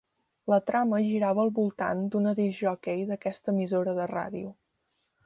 La trama girava al voltant d'una discjòquei d'aquesta emissora de ràdio.